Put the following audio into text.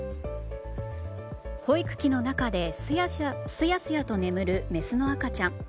保育器の中ですやすやと眠るメスの赤ちゃん。